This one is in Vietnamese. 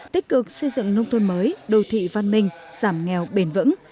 tích cực xây dựng nông thôn mới đô thị văn minh giảm nghèo bền vững